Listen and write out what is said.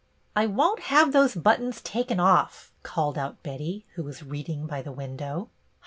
" I won't have tho^e buttons taken off," called out Betty, who was reading by the window.